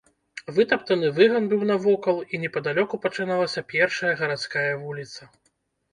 Вытаптаны выган быў навокал, і непадалёку пачыналася першая гарадская вуліца.